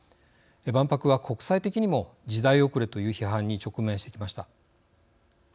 万博は国際的にも時代遅れという批判に直面してきました。